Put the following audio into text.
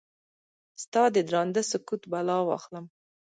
ستا ددرانده سکوت بلا واخلم؟